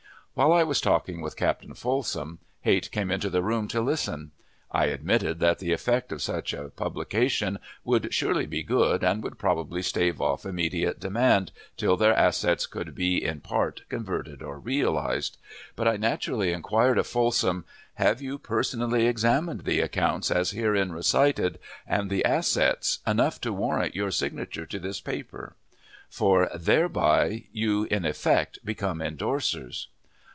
While I was talking with Captain Folsom, Height came into the room to listen. I admitted that the effect of such a publication would surely be good, and would probably stave off immediate demand till their assets could be in part converted or realized; but I naturally inquired of Folsom, "Have you personally examined the accounts, as herein recited, and the assets, enough to warrant your signature to this paper?" for, "thereby you in effect become indorsers."